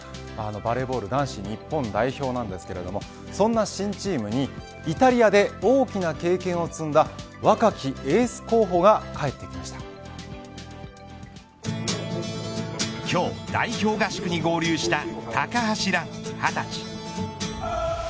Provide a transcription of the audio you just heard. バレーボール男子日本代表なんですけどそんな新チームにイタリアで大きな経験を積んだ若きエース候補が今日代表合宿に合流した高橋藍、２０歳。